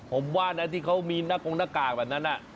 ผมว่านะที่เขามีหน้ากงหน้ากากแบบนั้น